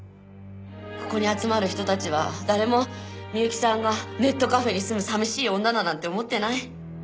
ここに集まる人たちは誰も美由紀さんがネットカフェに住む寂しい女だなんて思ってない。